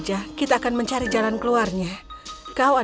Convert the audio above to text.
dan suatu hari takdirnya berubah